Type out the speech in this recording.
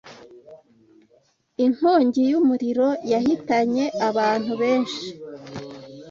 Inkongi y'umuriro yahitanye abantu benshi